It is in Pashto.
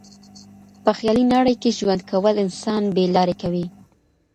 په خيالي نړۍ کي ژوند کول انسان بې لاري کوي.